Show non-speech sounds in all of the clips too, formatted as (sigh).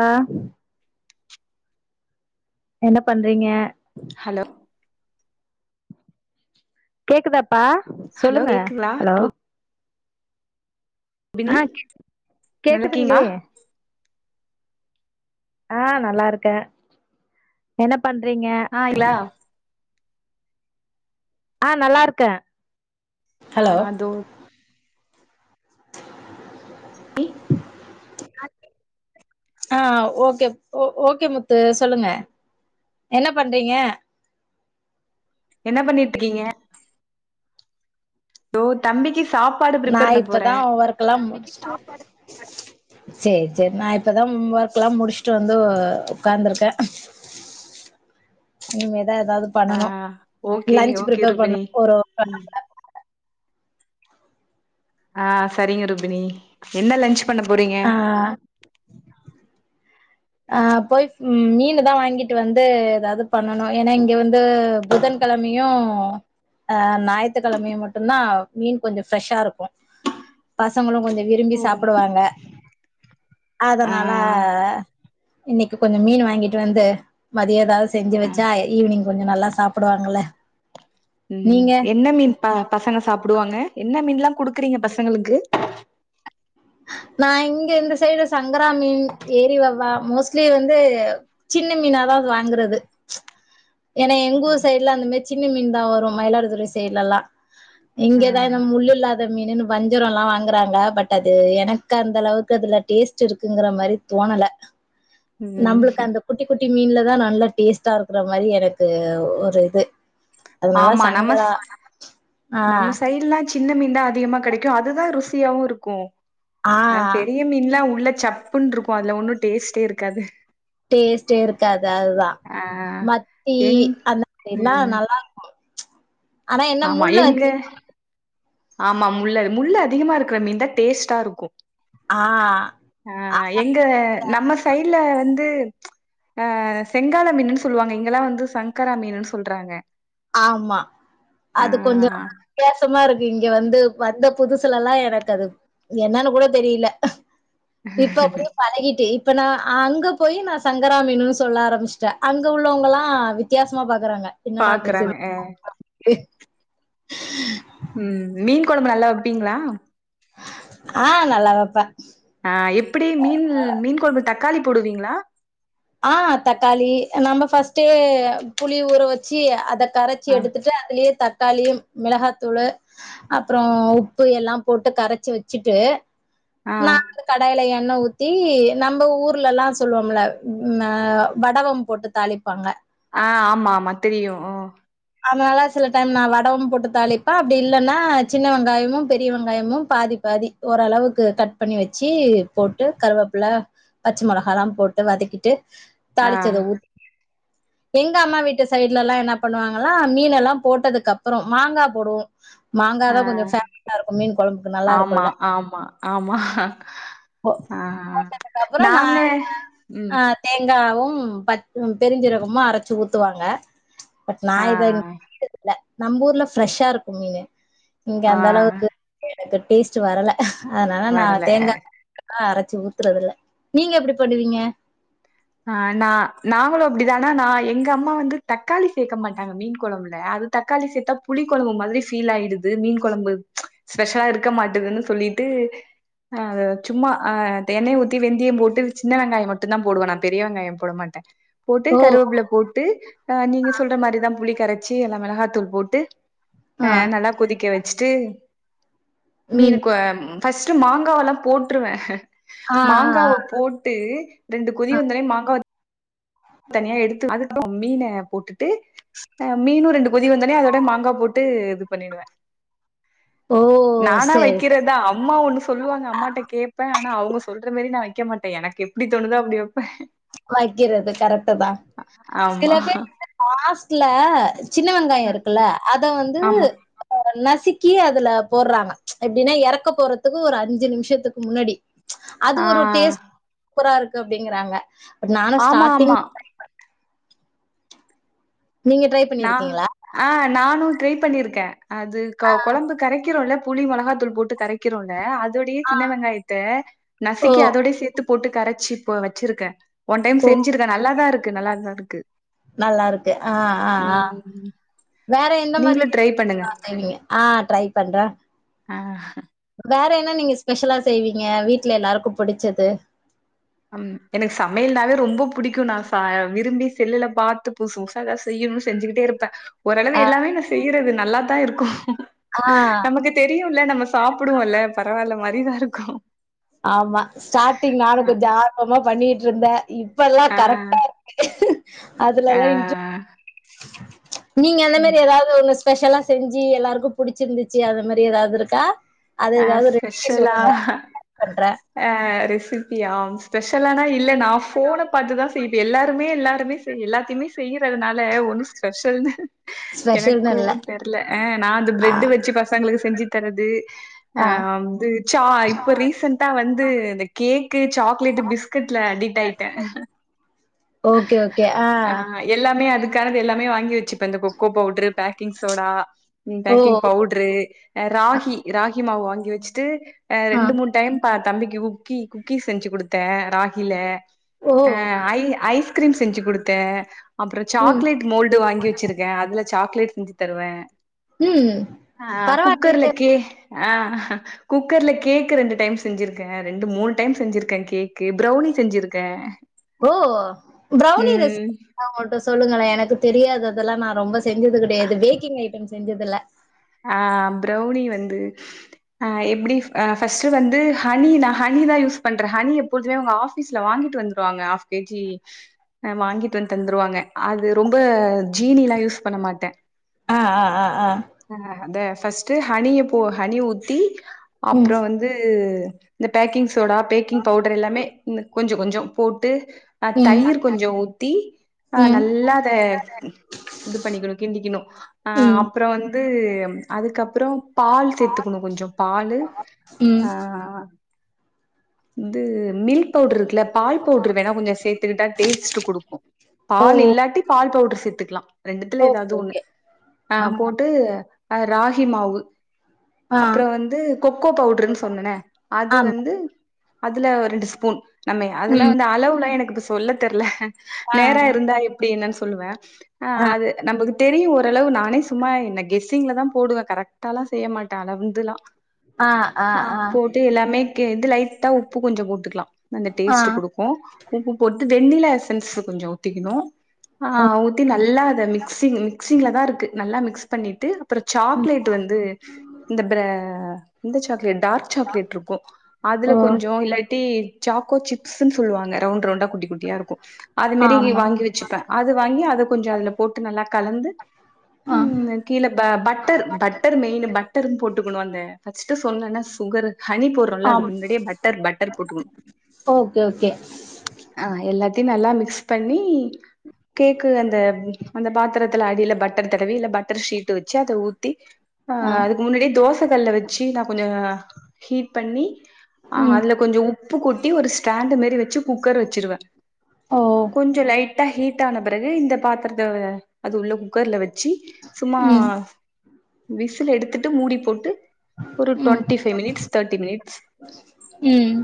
ஆ என்ன பண்றிங்க ஹலோ கேக்குதாப்பா ஹலோ சொல்லுங்க கேக்குங்களா ஹலோ ரூபினி அ கே கேக்குதுங்ளே நல்லாருக்கீங்களா ஆ நல்லா இருக்கே என்ன பண்றிங்க ஆ இல்லா ஆ நல்லாருக்க ஆ அ தோ கிள் ஆ ஆ ஓகே ஓகே முத்து சொல்லுங்க என்ன பண்றிங்க என்ன பண்ணிட்ருக்கிங்க தோ தம்பிக்கு சாப்பாடு நா ப்ரிப்பேர் பண்ண இப்பதா போறே வொர்க்கலா முடிச்சிட்டு சேர் சேர் நா இப்பதா ம் ஒர்க்லா முடிச்சுட்டு வந்து உக்காந்துருக்கே நீங்க தா ஏதாது ஆ பண்ணனு okay lunch okay prepare Rubini பண்ணனு ஒரு ட்வெல்வோ ம். க்ளாக்காட்ட ஆ சரிங்க ருபினி என்ன லன்ச் பண்ண போறிங்க ஆ ஆ போய் மீனுதா வாங்கிட்டு வந்து ஏதாது பண்ணணு ஏனா இங்க வந்து புதன் கெழமையு ஆ ஞாயித்துக்கெழமையு மட்டுந்தா மீன் கொஞ்ச ஃப்ரெஷ்ஷா இருக்கு பசங்களு கொஞ்ச விரும்பி ம். சாப்பிடுவாங்க ஆ அதனால இன்னைக்கு கொஞ்ச மீனு வாங்கிட்டு வந்து மதிய எதாவது செஞ்சு ஆ வெச்சா ஈவினிங் கொஞ்ச நல்லா சாப்பிடுவாங்கல உம் எந்த மீன் ப பசங்க சாப்பிடுவாங்க என்ன மீன்லாம் குடுக்குறீங்க பசங்களுக்கு நா இங்க இந்த சைடு சங்கரா மீன் ஏரிவவ்வா மோஸ்ட்லி வந்து சின்ன மீனாதா வாங்குறது ஏன்னா எங்கூர் சைடுல அந்த மரி சின்ன மீன் தா வரும் மயிலாடுதுறை சைட்லலாம் ஆ இங்கதா இந்த முள்ள இல்லாத மீனுன்னு வஞ்சுரம் எல்லாம் வாங்குறாங்க பட் அது எனக்கு அந்த அளவுக்கு அதுல டேஸ்ட் இருக்குங்கிற மாதிரி தோணல ம் நம்புளுக்கு அந்த குட்டி குட்டி குட்டி மீன்லதா நல்லா டேஸ்ட்டா இருக்கிற மாதிரி எனக்கு ஒரு இது அதனால ஆமா நமஸ் சங்கரா ஆ நம்ம சைடுல்ல சின்ன மீன் தா அதிகமா கெடைக்கும் அதுதா ருசியாவும் இருக்கும் ஆ பெரிய மீன்லாம் உள்ள சப்புன்னு இருக்கும் அதுல ஒன்னும் டேஸ்ட்டே இருக்காது டேஸ்டே இருக்காது அதுதா ஆ மத்தி எங் அந்த மாதிரிலாம் ம் நல்லா இருக்கும் ஆனா என்ன ஆமா முள் எங்க அதிகமா (inaudible) ஆமா முள்ள முள்ளு அதிகமா இருக்கிற மீன் தான் டேஸ்ட்டா இருக்கும் ஆ ஆஹ் எங்க நம்ம சைடுல வந்து அஹ் செங்கால மீன்ன்னு சொல்லுவாங்க இங்கெல்லாம் வந்து சங்கரா மீன்ன்னு சொல்றாங்க ஆமா ஆ அது கொஞ்ச வித்தியாசம இருக் இங்க வந்து வந்த புதுசுலல்லாம் எனக்கு அது என்னன்னு கூட தெரியல இப்ப அப்படியே பழகிட்டே இப்ப நா அங்க போய் நா சங்கரா மீன்னு சொல்ல ஆரம்பிச்சிட்டே அங்க உள்ளவங்களா வித்தியாசமா ப இருக்காங்க என்னடா பேச ஆஹ (unintelligible) உம் மீன் குழம்பு நல்லா வப்பீங்களா ஆ நல்லா வெப்பே ஆஹ் எப்படி மீன் மீன் கொழபு தக்க தக்காளி போடுவீங்களா ஆஹ் தக்காளி நம்ம ஃபர்ஸ்ட் புளி ஊற வச்சு அத கரச்சி ஆ எடுத்துட்டு அதுலேயே தப் காளியும் மிளகாத்தூலு அப்புறம் உப்பு எல்லாம் போட்டு கரச்சு வச்சுட்டு ஆ நா கடாயில என்ன ஊத்தி நம்ம ஊர்லல்லாம் சொல்லுவோம்ல உம் வடவம் போட்டு தாளிப்பாங்க ஆஹ் ஆமா ஆமா தெரியு ம் அதனால சில டைம் நா வடமும் போட்டு தாளிப்பே அப்டி இல்லனா சின்ன வெங்காயமும் பெரிய வெங்காயமும் பாதி பாதி ஓரளவுக்கு கட் பண்ணி வச்சு போட்டு கருவேப்பில பச்சை மிளகல்லாம் போட்டு வதக்கிட்டு ஆ தாளிச்சத ஊ எங்க அம்மா வீட்டு சைட்லல்லா என்ன பண்ணுவாங்க மீன்ல்லாம் போட்டதுக்கு அப்புறம் மாங்கா போடுவோம் மாங்கா ஆ தா கொஞ்ச ஆ (unintelligible) இருக்கு மீன் குழம்புக்கு நல்லா ஆமா, இருக்கும்ல்ல ஆமா, ஆமா. ஆ போட்டதுக்கு அப்றம் நா நாங்க ம். ஆஹ் தேங்கவு உம் பெருஞ்சீரகமும் அரச்சு ஊத்துவாங்க பட் நா ஆ, இத நம்ம ஊர்ல ஃப்ரெஷ்ஷா இருக்கும் மீனு இங்க ஆ அந்த அளவுக்கு அந்த டேஸ்ட் வரல அதனாலா நா வரல. தேங்கா ஆஹ் அரச்சி ஊத்துறதுல்ல நீங்க எப்டி பண்ணுவீங்க ஆஹ் நா நாங்களும் அப்டிதா ஆனா நா எங்க அம்மா வந்து தக்காளி சேக்க மாட்டாங்க மீன் குழம்புல அது தக்காளி சேத்தா புளி குழம்பு மாரி ஃபீல் ஆயிடுது மீன் குழம்பு ஸ்பெஷலா இருக்க மாட்டுதுன்னு சொல்லிட்டு அஹ் சும்மா ஆஹ் எண்ணெய் ஊத்தி வெந்தியம் போட்டு சின்ன வெங்காயம் மட்டும் தான் போடுவே பெரிய வெங்காய போட மாட்டே போட்டு ஓ கருவேப்புல போட்டு அஹ் நீங்க சொல்ற மாரிதா புளி கரச் ச்சு எல்ல மிளகாத்தூள் போட்டு ஆ ஆஹ் நல்லா குதிக்க வை ஸ்ரீ ம் மீனுக்குயம் ப்ஸ்ட் மாங்காவ எல்லா போட்டுருவே ஆ ஆ மாங்காவ ஆ போட்டு ரெண்டுக்கு குதிவந்தவன மாங்க தனியா எடுத்து அதுக்கு மீனை போட்டு டு மீனும் ரெண்டு கொதி வந்தனே அதோட மாங்கா போட்டு பண்ணிடுவே ஓ நானா சேரி சேரி வைக்கிறதா அம்மா ஒண்ணு சொல்லுவாங்க அம்மாட்ட கேட்பேன் ஆனா அவங்க சொல்ற மாரி நா வெக்க மாட்டே எனக்கு எப்படிதோணுதோ அப்படி வப்ப காய்கிறது கரட்டு தா சில ஆமா. பேர் காஸ் சில சின்ன வெங்காயம் இருக்குல்ல அத வந்து ஆமா. ஒன்ன சிக்கி அதுல போடுறாங்க எப்படின்னா இறக்க போறதுக்கு ஒரு அஞ்சு நிமிஷத்துக்கு முன்னாடி அது ஆ ஒரு டேஸ்ட் புரா இருக்கு அப்படிங்கிறாங்க நானும் ஆமா, ஸ்டார்ட்டிங் ஆமா. ட்ரை ந பண்ணிருக்கீங்களா ஆஹ் நானு ட்ரை பண்ணியிருக்கே அது கோ கொழம்பு கரைக்கிறோல்ல புளி மொளகா தூள் போட்டு கரைக்கிறோல்ல அது அதோடய சின்ன வெங்காயத்த ஓ நசுக்கி அதோட சேத்து போட்டு கரைச்சி இப்ப வச்சிருக்கே ஒன் டைம் செஞ்சிருக்கே நல்லாதா இருக்கு நல்லாதா இருக்கு ஆஹ் அ ம் வேற எந்த மாரி நீங்களு ட்ரை பண்ணுங்க (inaudible) செய்விங்க ஆ ட்ரை பண் ற ஆஹ்ன் வேற என்ன நீங்க ஸ்பெஷலா செய்வீங்க வீட்டுல எல்லாருக்கு புடிச்சது அம் எனக்கு சமையல்னாவே ரொம்ப புடிக்கு நா ச விரும்பி செல்லுல பாத்து புதுசு புதுசா எதாது செய்யணுனு செஞ்சுகிட்டே இருப்ப ஓரளவு எல்லாமே நா செய்யறதுல் நல்லாத்தா இருக்கு ஆ. நமக்கு தெரியுமில்ல நம்ம சாப்புடுவோம்ல பரவாயில்ல மாதிரிதா இருக்கும். ஆமா ஸ்டாட்டிங் நானு கொஞ்ச ஆ அது மார் பண்ணிட்ருந்த இப் இப்பல்லா ஆ கரெக்டா இருக்கு ஆ அதுலல்லா இன்ட்ரெ நீங்க அந்தமாரி எதாவது ஒன்னு ஸ்பெஷலா செஞ்சி எல்லாருக்கு புடிச்சிருந்துச்சி அத மாரி எதாது இருக்கா அது ஆ ஏதாவது ரெசிபி ஸ்பெஷலா சொல்லுங்க. அ பண்றேன். ஆ ரிஸ் திருப்பியா ஸ்பெஷலானா இல்ல நா ஃபோன பாத்துதா செய்வே எல்லாருமே எல்லாருமே சோ எல்லாத்தையுமே செய்யுறதுனால ஒண்ணு ஸ்பெஷல்னு ஸ்பெஷல்னு எனக்கு இல்ல. தெர்ல நா இந்த ஆ, பிரட் வெச்சு பசங்களுக்கு செஞ்சு தரது ஆ வந்து சா இப்ப ரீசண்ட்டா வந்து இந்த கேக்கு சாக்லேட் பிஸ்கட்ல அடிட் ஆய்ட்ட ஓகே, ஓகே. ஆ எல்லாமே அதுக்கானது எல்லாமே வாங்கி வெச்சுப்பே இந்த கொக்கோ பவுடரு பேக்கிங் சோடா ஓ! பேக்கிங் பவுட்ரு ராகி ராகி மாவு வாங்கி வெச்சிட்டு அ ஆ. ரெண்டு மூணு டைம் ப தம்பிக் குக்கி குக்கிஸ் செஞ்சு குடுத்தே ராகில ஓ! ஏ ஐடியா ஐஸ்கிரீம் செஞ்சு குடுத்தே அப்புற ம். சாக்லேட் மோல்டு வாங்கி வச்சிருக்கே அதுல சாக்லேட் செஞ்சு தருவே ம். ஆ குக்கர்ல பரவாயில்லையே! கே ஆ குக்கர்ல கேக் ரெண்டு டைம் செஞ்சிருக்கே ரெண்டு மூணு டைம் செஞ்சிருக்கே கேக்கு ப்ரவுனி செஞ்சிருக்கே ஓ ப்ரெளனி ரெஸ் ம் அவுங்கள்ட்ட சொல்லுங்களே எனக்கு தெரியாது அதெலா நா ரொம்பஸ் செஞ்சது கிடையாது பேக்கிங் ஐட்டம்ஸ் செஞ்சதில்ல ஆ ப்ரௌனி வந்து அ எப்டி அ ஃபஸ்ட்டு வந்து ஹனி நா ஹனிதா யூஸ் பண்ற ஹனி எப்போழுதுமே அவுங்க ஆஃபீஸ்ல வாங்கிட்டு வந்துருவாங்க ஆப் கேஜி அ வாங்கிட்டு வந்து தந்துருவாங்க அது ரொம்ப ஜீனிலா யூஸ் பண்ண மாட்ட ஆ ஆ ஆ ஆ அ அதே ஃபஸ்ட்டு ஹனிய போ ஹனி ஊத்தி ம் அப்ற வந்து இந்த பேக்கிங் சோடா பேக்கிங் பவுடர் எல்லாமே இந்த கொஞ்ச கொஞ்ச போட்டு அஹ் தயிர் கொஞ்ச ஊத்தி ஆஹ் ம் நல்ல அத இது பண்ணிக்கணு கிண்டிக்கணு ஆஹ் வந்து அதுக்கப்புற பால் சேர்த்துக்கணு கொஞ்ச பாலு ம் ஆஹ் இது மீ பவுடர் இருக்குல பால் பவுடர் வேணா கொஞ்ச சேர்த்துக்கிட்டா டேஸ்ட் குடுக்கு பால் இல்லாட்டி பால் பவுடர் சேத்துக்கலா ரெண்டுத்துல ஓகே ஏதாவது ஒண்ணு ஓகே ஆஹ் போட்டு அஹ் ராகி மாவு ஆ அப்புற வந்து கொக்கோ பவுடருன்னு சொன்னனே அது ஆமா வந்து அதுல ரெண்டு ஸ்பூன் நம்மை அதல்லா ம் வந்து அளவுலா எனக்கு இப்ப சொல்ல தெர்ல ஆ நேர இருந்தா இப் அப்டி என்னன் சொல்வ ஆ அது நமக்கு தெரியு ஓரளவு நானே சும்மா என்ன கெஸ்ஸிங்லதா போடுவ கரெக்டாலா செய்ய மாட்ட அளந்துலா ஆ போட்டு எல்லாமே இது லைட்டா உப்பு கொஞ்ச போட்டுக்லா அந்த ஆ டேஸ்ட்டு குடுக்கு உப்பு போட்டு வென்னிலா எசன்ஸ் கொஞ்ச ஊத்திக்கணு ஆ ஊத்தி நல்லா அத மிக்சிங் மிக்சிங்லதா இருக் நல்லா மிக்ஸ் பண்ணிட்டு அப்புற சாக்லேட் வந்து இந்த பிரா இந்த சாக் டார்க் சாக்லேட் இருக்கு அதுல கொஞ்ச இல்லாட்டி சாக்கோ சிப்ஸ்னு சொல்வாங்க ரவுண்ட் ரவுண்டா குட்டி குட்டியா இருக்கு அது மேரி ஆமா வாங்கி வெச்சிப்பே அது வாங்கி அத கொஞ்ச அதுல போட்டு நல்லா கலந்து ஆ ம் கீழ ப பட்டர் பட்டர் மெயினு பட்டர் போட்டுக்கணு அந்த பச் ட்டு சொன்னனே சுகரு ஹனி போட்றோம்ல அதுக்கு முன்னாடியே பட்டர் பட்டர் போட்டுக்ணு ஓகே ஓகே ஆ எல்லா தி நல்லா மிக்ஸ் பண்ணி கேக் அந்த அந்த பாத்திரத்துல அடில பட் டர் தடவி இல்ல பட்டர் ஷீட் வச்சு அத ஊத்தி ஆ அதுக்கு முன்னாடியே தோச கல்லுல வச்சு நா கொஞ்சோ ஹீட் பண்ணி ஆ ம் அதுல கொஞ்சோ உப் பு கொட்டி ஒரு ஸ்டாண்டு மாரி வச்சு குக்கர் வச்சிருவே ஓ கொஞ்சோ லைட்டா ஹீட் ஆன பிறகு இந்த பாத்தரத்த அது உள்ள குக்கர்ல வச் சி சும்மா ம் விசில் எடுத்துட்டு மூடி போட்டு ஒரு ம் twenty five minutes thirty minutes ம்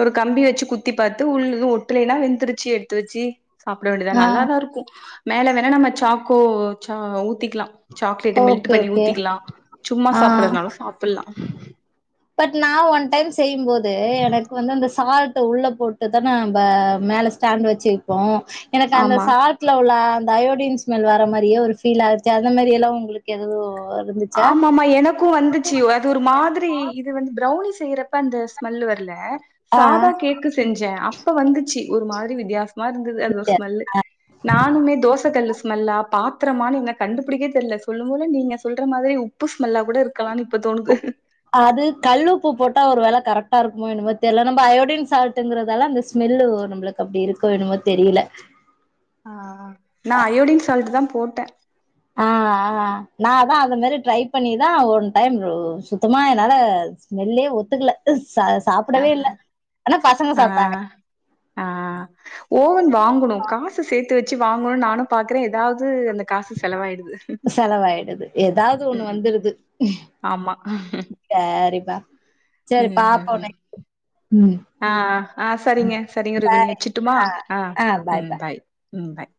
ஒரு கம்பி வச்சு கு த்தி பாத்து உள்ள எதும் ஒட்டலன்னா வெந்துருச்சு எடுத்து வச்சி சாப்பட வேண்டியதா நல்லாதா இருக்கு மேல வேணா நம்ம சாக்கோ சா ஊ த்திக்கலா சாக்லேட்ட மெல்ட் ஓகே பண்ணி ஓகே ஊத்திக்லா, சும்மா ஆ சாப்புட்றதுனாலு சாப்புட்லா பட் நா ஒன் டைம் செய்யும்போது எனக்கு வந்து அந்த சால்ட் உள்ள போட்டுதா நம்ப மேல ஸ்டாண்ட் வச்சு வைப்போ எனக்கு அந்த ஆமா சால்ட்ல உள்ள தயோடின் ஸ்மெல் வர மாரியே ஒரு பீல் ஆச்சு அந்த மாரி எல்லாம் உங்களுக்கு எதோ ஆமமா எனக்கும் வந்துச்சு அது ஒரு மாதிரி இது வந்து பிரவுனிஷ் செய்யறப்ப அந்த ஸ்மெல் வரல ஆ சாதா கேக்கு செஞ்சேன் அப்ப வந்துச்சு ஒரு மாரி வித்தியாசமா இருந்தது அது ஸ்மெல்லு நானுமே தோச கல்லு ஸ்மெல்லா பா்த்த த்திரமா நீங்க கண்டுபிடி தெரியல சொல்லு போது நீங்க சொல்ற மாரி உப்பு ஸ்மெல்லா கூட இருக்கலான்னு இப்ப தோணுது அது கல்லுப்பு போட்டா ஒரு வேல கரெக்டா இருக்குமோ என்மோ தெரியல நம்ம அயோடின் சால்ட்டுங்கிறதால அந்த ஸ்மெல்லு நம்மளுக்கு அப்டி இருக்கும் என்மோ தெரியல ஆ ஆ நா அயோடின் சால்ட் தா போட்ட ஆ ஆ நா தா அ மாரி ட்ரை பண்ணிதா ஒன் டைம் சுத்தமா என்னால ஸ்மெல்லே ஒத்துக்கல ச ஆ சாப்பிடவே இல்ல. ஆனா பசங்க ஆ சாப்ட்டாங்க. ஆ ஓவன் வாங்கணும் காசு சேர்த் சேத்வச்சு வாங்கணும் நானும் பாக்குறேன் ஏதாவது அந்த காசு செலவாயிடுது செலவாயிடுது. ஏதாவது ஒண்ணு ம் வந்துருது. ஆமா சரிப்பா. சரி ம் பாப்போம் ம் நெக்ஸ்ட் ம். ஆ ஆ செரிங்க செரிங்க ருபணி வச்சுட்டுமா ஆ ம் பாய் ம் பாய்